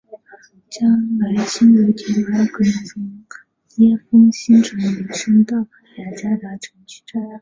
将来轻轨铁路还有可能从椰风新城延伸到雅加达城区站。